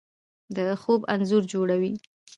د خوب انځور جوړوي